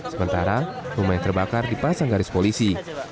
sementara rumah yang terbakar dipasang garis polisi